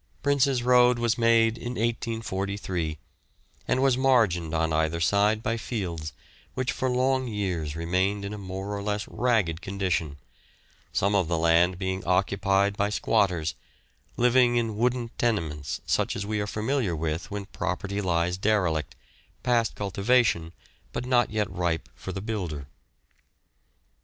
Prince's Road was made in 1843, and was margined on either side by fields, which for long years remained in a more or less ragged condition, some of the land being occupied by squatters, living in wooden tenements such as we are familiar with when property lies derelict, past cultivation, but not yet ripe for the builder.